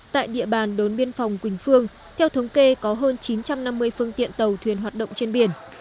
tại địa bàn đốn biên phòng quỳnh phương theo thống kê có hơn chín trăm năm mươi phương tiện tàu thuyền hoạt động trên biển